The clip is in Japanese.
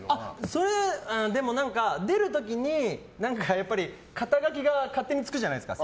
それは、出る時にやっぱり肩書が勝手につくじゃないですか。